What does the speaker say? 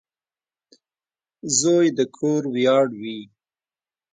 • زوی د کور ویاړ وي.